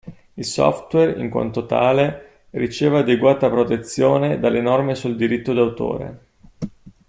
Il software, in quanto tale, riceve adeguata protezione dalle norme sul diritto d'autore.